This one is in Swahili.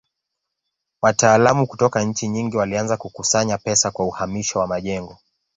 Wataalamu kutoka nchi nyingi walianza kukusanya pesa kwa uhamisho wa majengo.